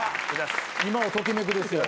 今を時めくですよ。